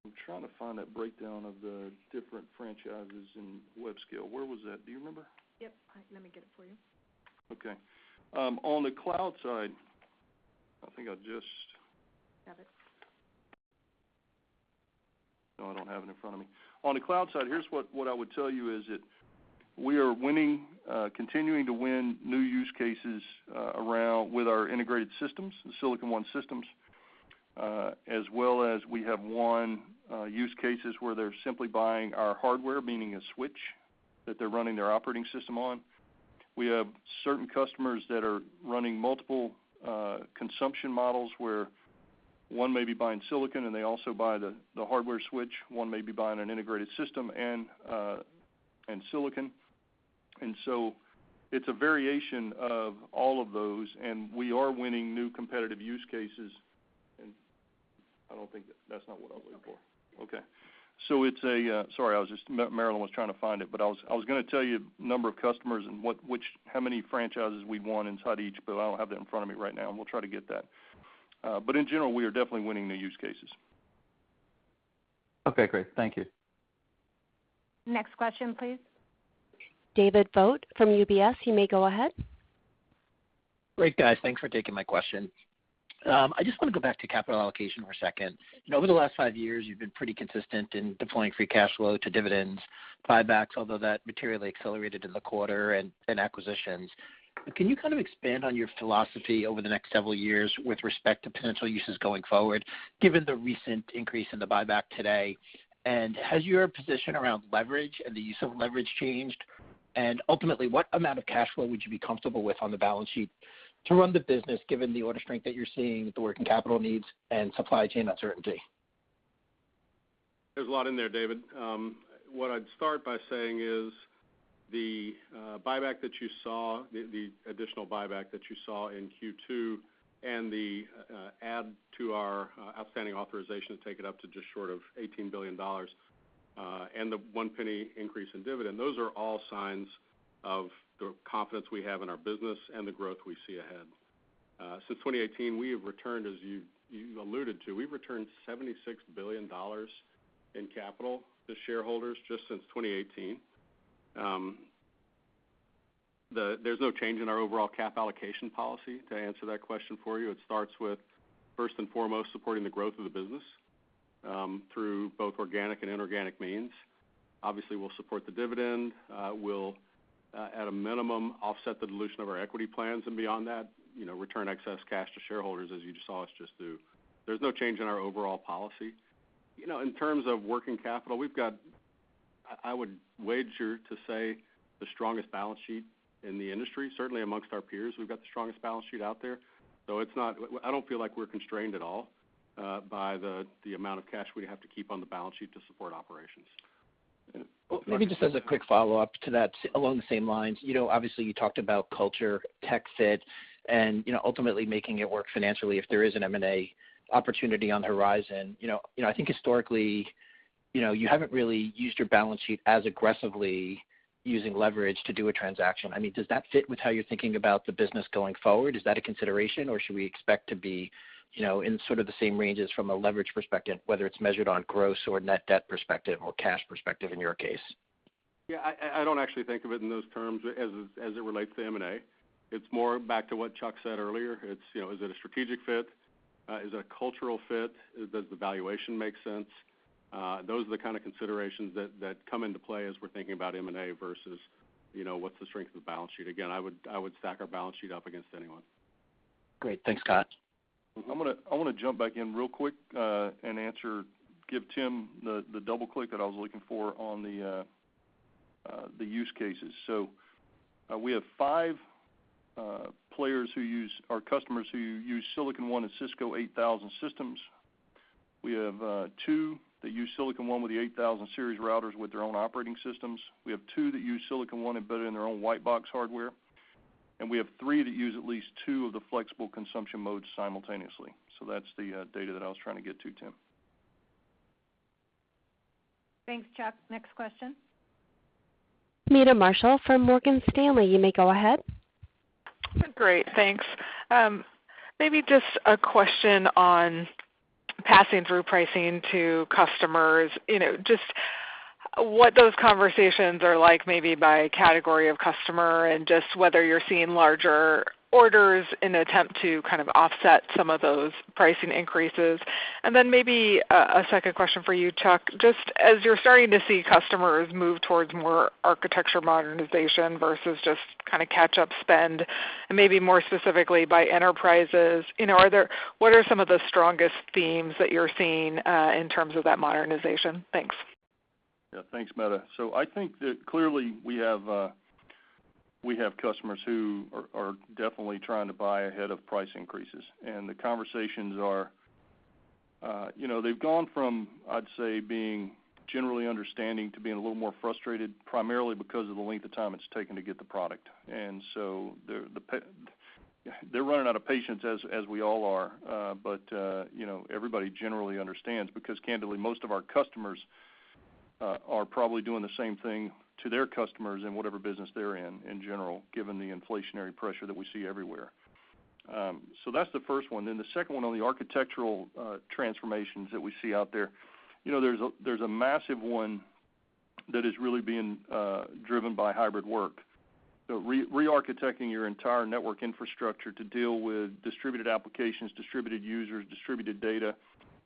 I'm trying to find that breakdown of the different franchises in web scale. Where was that? Do you remember? Yep. Let me get it for you. Okay. On the cloud side, I think I just. Have it. No, I don't have it in front of me. On the cloud side, here's what I would tell you is that we are winning, continuing to win new use cases around with our integrated systems, the Silicon One systems, as well as we have won use cases where they're simply buying our hardware, meaning a switch that they're running their operating system on. We have certain customers that are running multiple consumption models where one may be buying silicon and they also buy the hardware switch. One may be buying an integrated system and silicon. It's a variation of all of those, and we are winning new competitive use cases. I don't think that that's not what I was looking for. Okay. Sorry, Marilyn was trying to find it, but I was gonna tell you number of customers and which, how many franchises we won inside each, but I don't have that in front of me right now, and we'll try to get that. In general, we are definitely winning the use cases. Okay, great. Thank you. Next question, please. David Vogt from UBS, you may go ahead. Great, guys. Thanks for taking my question. I just wanna go back to capital allocation for a second. You know, over the last five years, you've been pretty consistent in deploying free cash flow to dividends, buybacks, although that materially accelerated in the quarter, and acquisitions. Can you kind of expand on your philosophy over the next several years with respect to potential uses going forward, given the recent increase in the buyback today? And has your position around leverage and the use of leverage changed? And ultimately, what amount of cash flow would you be comfortable with on the balance sheet to run the business given the order strength that you're seeing with the working capital needs and supply chain uncertainty? There's a lot in there, David. What I'd start by saying is the buyback that you saw, the additional buyback that you saw in Q2 and the add to our outstanding authorization to take it up to just short of $18 billion, and the one penny increase in dividend, those are all signs of the confidence we have in our business and the growth we see ahead. Since 2018, as you alluded to, we've returned $76 billion in capital to shareholders just since 2018. There's no change in our overall capital allocation policy, to answer that question for you. It starts with, first and foremost, supporting the growth of the business, through both organic and inorganic means. Obviously, we'll support the dividend. We'll, at a minimum, offset the dilution of our equity plans, and beyond that, you know, return excess cash to shareholders as you just saw us just do. There's no change in our overall policy. You know, in terms of working capital, we've got. I would wager to say the strongest balance sheet in the industry. Certainly among our peers, we've got the strongest balance sheet out there. So it's not. I don't feel like we're constrained at all, by the amount of cash we have to keep on the balance sheet to support operations. Maybe just as a quick follow-up to that, along the same lines. You know, obviously, you talked about culture, tech fit, and, you know, ultimately making it work financially if there is an M&A opportunity on the horizon. You know, I think historically, you know, you haven't really used your balance sheet as aggressively using leverage to do a transaction. I mean, does that fit with how you're thinking about the business going forward? Is that a consideration, or should we expect to be, you know, in sort of the same ranges from a leverage perspective, whether it's measured on gross or net debt perspective or cash perspective in your case? Yeah, I don't actually think of it in those terms as it relates to M&A. It's more back to what Chuck said earlier. It's, you know, is it a strategic fit? Is it a cultural fit? Does the valuation make sense? Those are the kind of considerations that come into play as we're thinking about M&A versus, you know, what's the strength of the balance sheet. Again, I would stack our balance sheet up against anyone. Great. Thanks, Scott. I wanna jump back in real quick, and give Tim the double click that I was looking for on the use cases. We have five customers who use Silicon One and Cisco 8000 systems. We have two that use Silicon One with the 8000 series routers with their own operating systems. We have two that use Silicon One embedded in their own white box hardware. And we have three that use at least two of the flexible consumption modes simultaneously. That's the data that I was trying to get to, Tim. Thanks, Chuck. Next question. Meta Marshall from Morgan Stanley, you may go ahead. Great. Thanks. Maybe just a question on passing through pricing to customers. You know, just what those conversations are like maybe by category of customer and just whether you're seeing larger orders in an attempt to kind of offset some of those pricing increases. Then maybe a second question for you, Chuck. Just as you're starting to see customers move towards more architecture modernization versus just kinda catch-up spend, and maybe more specifically by enterprises, you know, what are some of the strongest themes that you're seeing in terms of that modernization? Thanks. Yeah. Thanks, Meta. I think that clearly we have customers who are definitely trying to buy ahead of price increases. The conversations are, you know, they've gone from, I'd say, being generally understanding to being a little more frustrated, primarily because of the length of time it's taken to get the product. They're running out of patience as we all are, but, you know, everybody generally understands because candidly, most of our customers are probably doing the same thing to their customers in whatever business they're in general, given the inflationary pressure that we see everywhere. That's the first one. The second one on the architectural transformations that we see out there, you know, there's a massive one that is really being driven by Hybrid Work. Re-architecting your entire network infrastructure to deal with distributed applications, distributed users, distributed data,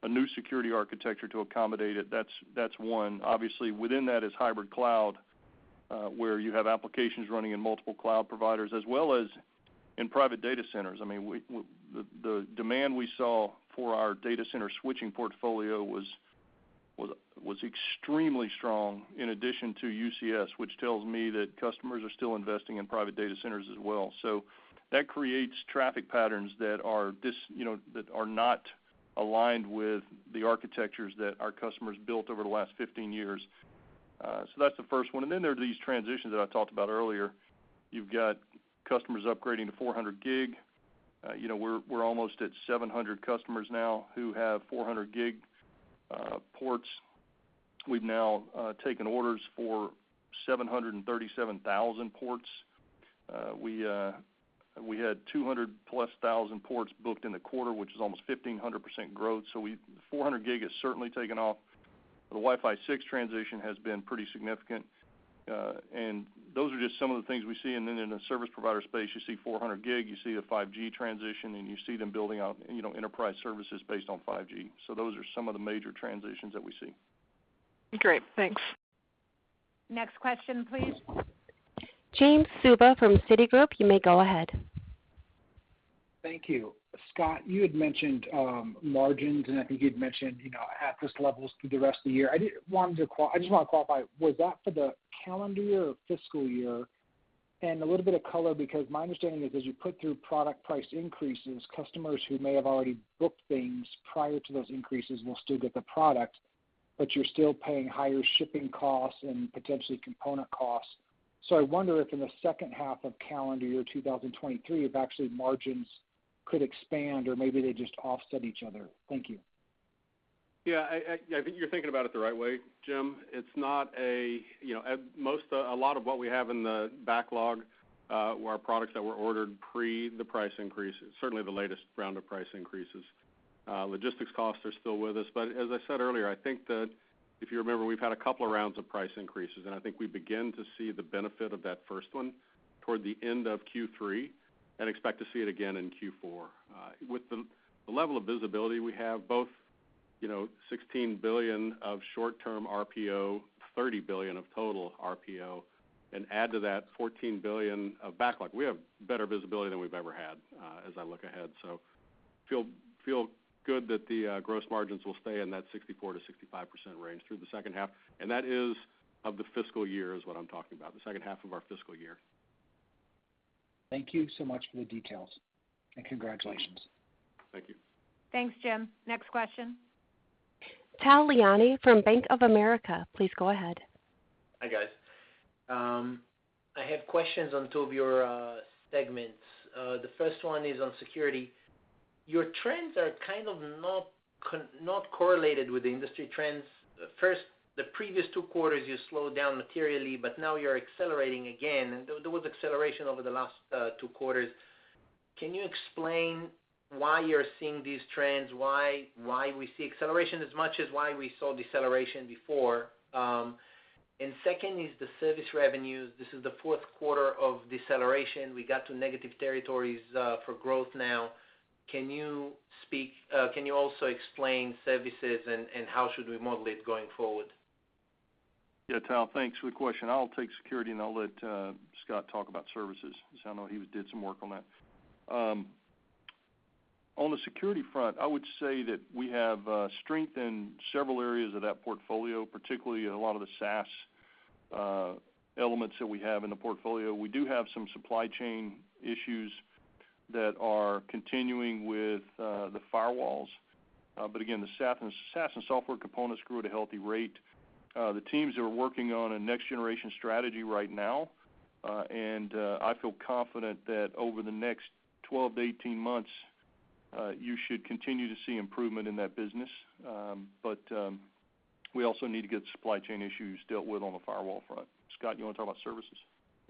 a new security architecture to accommodate it, that's one. Obviously, within that is hybrid cloud, where you have applications running in multiple cloud providers, as well as in private data centers. I mean, the demand we saw for our data center switching portfolio was extremely strong in addition to UCS, which tells me that customers are still investing in private data centers as well. So that creates traffic patterns that are, you know, not aligned with the architectures that our customers built over the last 15 years. So that's the first one. Then there are these transitions that I talked about earlier. You've got customers upgrading to 400G. You know, we're almost at 700 customers now who have 400G ports. We've now taken orders for 737,000 ports. We had 200,000+ ports booked in the quarter, which is almost 1,500% growth. 400G has certainly taken off. The Wi-Fi 6 transition has been pretty significant. Those are just some of the things we see. In the service provider space, you see 400G, you see the 5G transition, and you see them building out, you know, enterprise services based on 5G. Those are some of the major transitions that we see. Great. Thanks. Next question, please. Jim Suva from Citigroup. You may go ahead. Thank you. Scott, you had mentioned margins, and I think you'd mentioned, you know, at these levels through the rest of the year. I just wanna qualify, was that for the calendar year or fiscal year? A little bit of color because my understanding is as you put through product price increases, customers who may have already booked things prior to those increases will still get the product, but you're still paying higher shipping costs and potentially component costs. I wonder if in the second half of calendar year 2023, if actually margins could expand or maybe they just offset each other. Thank you. Yeah, I think you're thinking about it the right way, Jim. It's not, you know, at most, a lot of what we have in the backlog were our products that were ordered pre the price increases, certainly the latest round of price increases. Logistics costs are still with us. But as I said earlier, I think that if you remember, we've had a couple of rounds of price increases, and I think we begin to see the benefit of that first one toward the end of Q3, and expect to see it again in Q4. With the level of visibility we have, both, you know, $16 billion of short-term RPO, $30 billion of total RPO, and add to that $14 billion of backlog. We have better visibility than we've ever had as I look ahead. Feel good that the gross margins will stay in that 64%-65% range through the second half. That is for the fiscal year, is what I'm talking about, the second half of our fiscal year. Thank you so much for the details, and congratulations. Thank you. Thanks, Jim. Next question. Tal Liani from Bank of America, please go ahead. Hi, guys. I have questions on two of your segments. The first one is on security. Your trends are kind of not correlated with the industry trends. First, the previous two quarters, you slowed down materially, but now you're accelerating again. There was acceleration over the last two quarters. Can you explain why you're seeing these trends? Why we see acceleration as much as why we saw deceleration before? Second is the service revenues. This is the Q4 of deceleration. We got to negative territories for growth now. Can you also explain services and how should we model it going forward? Yeah. Tal, thanks. Good question. I'll take security, and I'll let Scott talk about services 'cause I know he did some work on that. On the security front, I would say that we have strength in several areas of that portfolio, particularly in a lot of the SaaS elements that we have in the portfolio. We do have some supply chain issues that are continuing with the firewalls. Again, the SaaS and software components grew at a healthy rate. The teams are working on a next generation strategy right now, and I feel confident that over the next 12-18 months, you should continue to see improvement in that business. We also need to get supply chain issues dealt with on the firewall front. Scott, you wanna talk about services?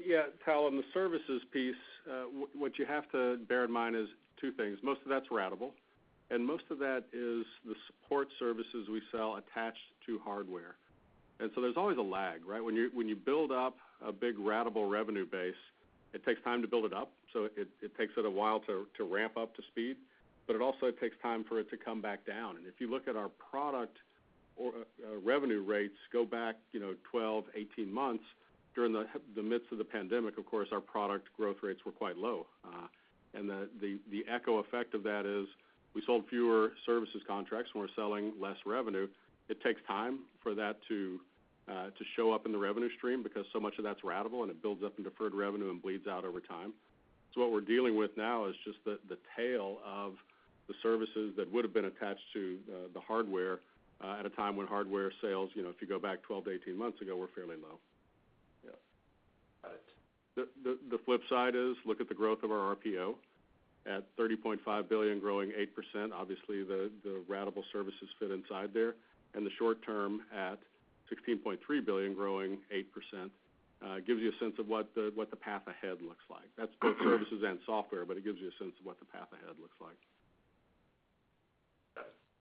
Yeah, Tal. On the services piece, what you have to bear in mind is two things. Most of that's ratable, and most of that is the support services we sell attached to hardware. There's always a lag, right? When you build up a big ratable revenue base, it takes time to build it up, so it takes it a while to ramp up to speed, but it also takes time for it to come back down. If you look at our product revenue rates go back 12, 18 months during the midst of the pandemic, of course, our product growth rates were quite low. The echo effect of that is we sold fewer services contracts, and we're selling less revenue. It takes time for that to show up in the revenue stream because so much of that's ratable and it builds up in deferred revenue and bleeds out over time. What we're dealing with now is just the tail of the services that would've been attached to the hardware at a time when hardware sales, you know, if you go back 12-18 months ago, were fairly low. Yes. Got it. The flip side is, look at the growth of our RPO at $30.5 billion growing 8%. Obviously, the ratable services fit inside there. The short term at $16.3 billion growing 8% gives you a sense of what the path ahead looks like. That's both services and software, but it gives you a sense of what the path ahead looks like.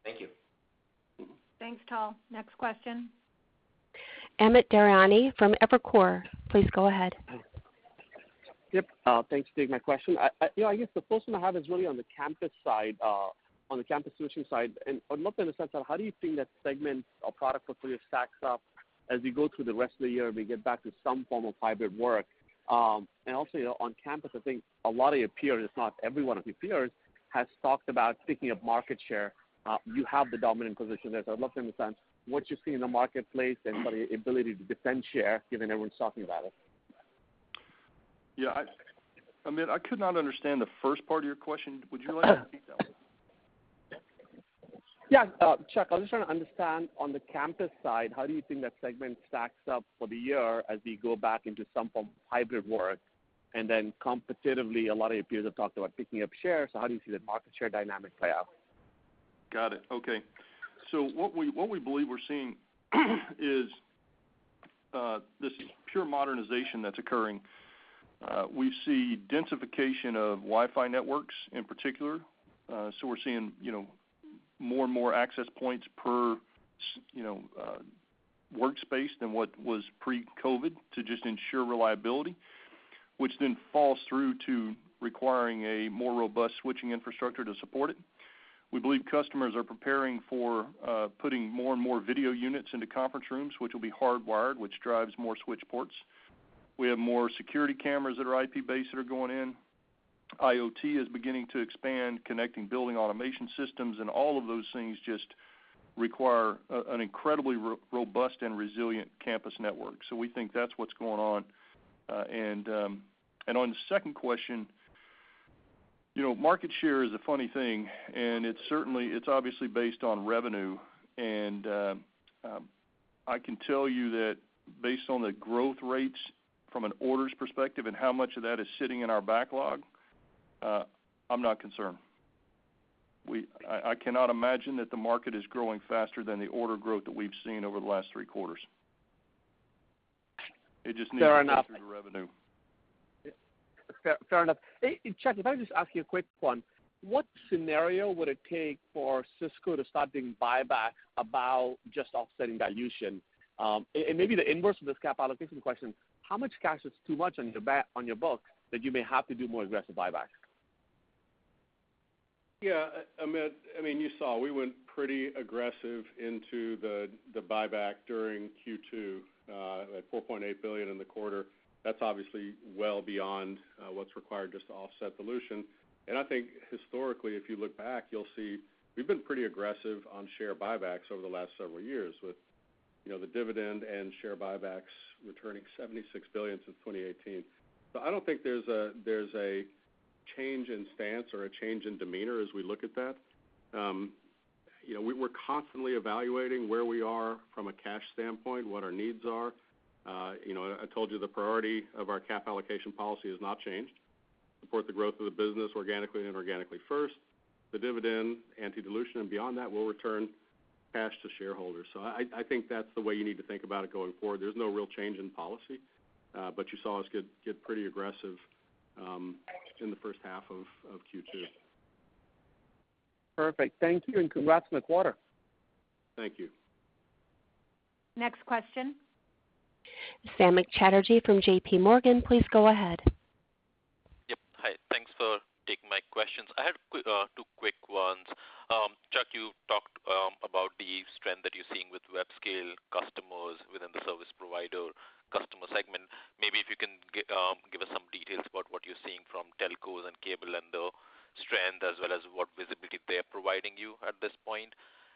Thank you. Thanks, Tal. Next question. Amit Daryanani from Evercore, please go ahead. Yep. Thanks for taking my question. You know, I guess the first one I have is really on the campus side, on the campus solution side. I'd love to understand, so how do you think that segment of product portfolio stacks up as we go through the rest of the year and we get back to some form of hybrid work? Also, you know, on campus, I think a lot of your peers, if not every one of your peers, has talked about picking up market share. You have the dominant position there, so I'd love to understand what you see in the marketplace and sort of your ability to defend share given everyone's talking about it. Yeah, Amit, I could not understand the first part of your question. Would you like to repeat that one? Yeah. Chuck, I was just trying to understand, on the campus side, how do you think that segment stacks up for the year as we go back into some form of hybrid work? Competitively, a lot of your peers have talked about picking up shares, so how do you see the market share dynamic play out? Got it. Okay. What we believe we're seeing is this pure modernization that's occurring. We see densification of Wi-Fi networks in particular. We're seeing, you know, more and more access points per workspace than what was pre-COVID to just ensure reliability, which then falls through to requiring a more robust switching infrastructure to support it. We believe customers are preparing for putting more and more video units into conference rooms, which will be hardwired, which drives more switch ports. We have more security cameras that are IP-based that are going in. IoT is beginning to expand, connecting building automation systems, and all of those things just require an incredibly robust and resilient campus network. We think that's what's going on. On the second question, you know, market share is a funny thing, and it's obviously based on revenue. I can tell you that based on the growth rates from an orders perspective and how much of that is sitting in our backlog, I'm not concerned. I cannot imagine that the market is growing faster than the order growth that we've seen over the last three quarters. It just needs Fair enough. To flow through to revenue. Fair enough. Chuck, if I could just ask you a quick one, what scenario would it take for Cisco to start doing buyback about just offsetting dilution? Maybe the inverse of this capital allocation question, how much cash is too much on your books that you may have to do more aggressive buybacks? Yeah, Amit, I mean, you saw, we went pretty aggressive into the buyback during Q2 at $4.8 billion in the quarter. That's obviously well beyond what's required just to offset dilution. I think historically, if you look back, you'll see we've been pretty aggressive on share buybacks over the last several years with, you know, the dividend and share buybacks returning $76 billion since 2018. I don't think there's a change in stance or a change in demeanor as we look at that. You know, we're constantly evaluating where we are from a cash standpoint, what our needs are. You know, I told you the priority of our capital allocation policy has not changed. Support the growth of the business organically and inorganically first. The dividend, anti-dilution, and beyond that, we'll return cash to shareholders. I think that's the way you need to think about it going forward. There's no real change in policy, but you saw us get pretty aggressive in the first half of Q2. Perfect. Thank you, and congrats on the quarter. Thank you. Next question. Samik Chatterjee from J.P. Morgan, please go ahead. Yep. Hi. Thanks for taking my questions. I had two quick ones. Chuck, you talked about the strength that you're seeing with web scale customers within the service provider customer segment. Maybe if you can give us some details about what you're seeing from telcos and cable and the strength, as well as what visibility they're providing you at this point.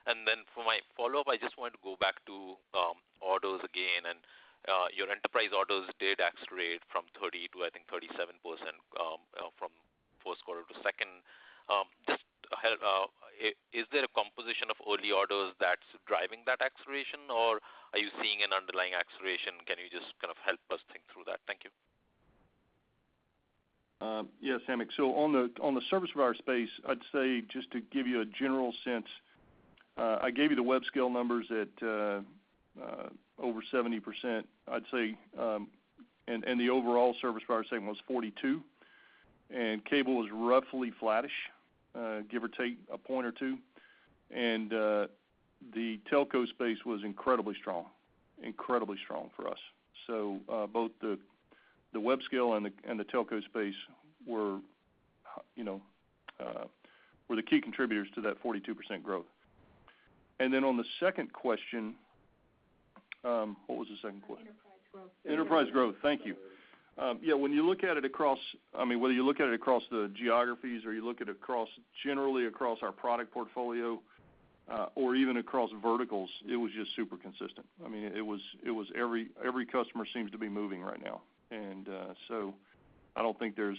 For my follow-up, I just wanted to go back to orders again. Your enterprise orders did accelerate from 30 to, I think, 37% from first quarter to second. Just, is there a composition of early orders that's driving that acceleration, or are you seeing an underlying acceleration? Can you just kind of help us think through that? Thank you. Yeah, Samik. On the service provider space, I'd say, just to give you a general sense, I gave you the web scale numbers at over 70%, I'd say, and the overall service provider segment was 42, and cable was roughly flattish, give or take a point or two. The telco space was incredibly strong for us. Both the web scale and the telco space were the key contributors to that 42% growth. On the second question, what was the second question? Enterprise growth. Enterprise growth. Thank you. Yeah, when you look at it across the geographies or generally across our product portfolio, or even across verticals, it was just super consistent. I mean, it was every customer seems to be moving right now. So I don't think there's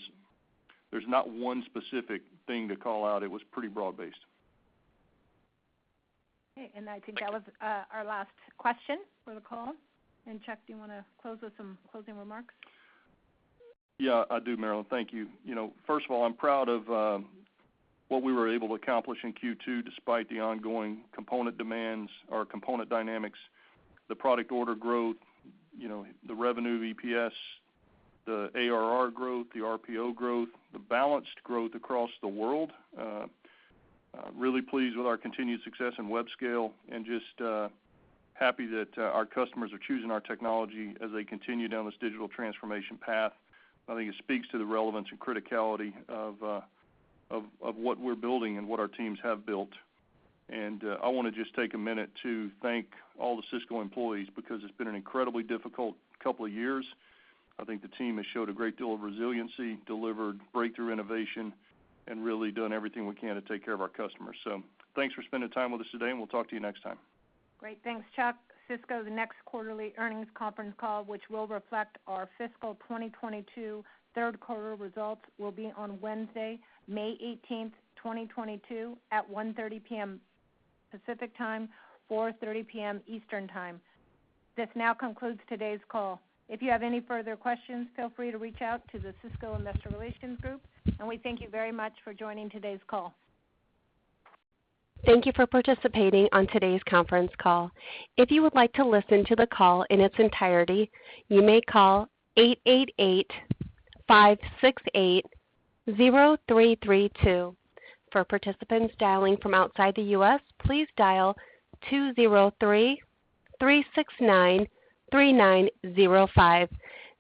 not one specific thing to call out. It was pretty broad-based. Okay. I think that was our last question for the call. Chuck, do you wanna close with some closing remarks? Yeah, I do, Marilyn. Thank you. You know, first of all, I'm proud of what we were able to accomplish in Q2 despite the ongoing component demands or component dynamics, the product order growth, you know, the revenue, the EPS, the ARR growth, the RPO growth, the balanced growth across the world. Really pleased with our continued success in web scale, and just happy that our customers are choosing our technology as they continue down this digital transformation path. I think it speaks to the relevance and criticality of what we're building and what our teams have built. I wanna just take a minute to thank all the Cisco employees because it's been an incredibly difficult couple of years. I think the team has showed a great deal of resiliency, delivered breakthrough innovation, and really done everything we can to take care of our customers. Thanks for spending time with us today, and we'll talk to you next time. Great. Thanks, Chuck. Cisco's next quarterly earnings conference call, which will reflect our fiscal 2022 Q3 results, will be on Wednesday, May 18, 2022 at 1:30 P.M. Pacific Time, 4:30 P.M. Eastern Time. This now concludes today's call. If you have any further questions, feel free to reach out to the Cisco investor relations group, and we thank you very much for joining today's call. Thank you for participating on today's conference call. If you would like to listen to the call in its entirety, you may call 888-568-0332. For participants dialing from outside the U.S., please dial 203-369-3905.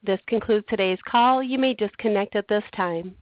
This concludes today's call. You may disconnect at this time.